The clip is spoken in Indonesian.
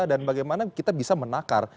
dan bagaimana kita bisa menakar